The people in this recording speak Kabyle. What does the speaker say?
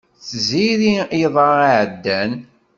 D tiziri iḍ-a iɛeddan.